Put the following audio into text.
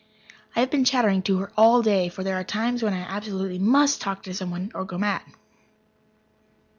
I have been chattering to her all day, for there are times when I absolutely must talk to someone or go mad.